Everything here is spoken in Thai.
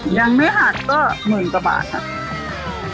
ยังไม่หักก็หมื่นกว่าบาทครับ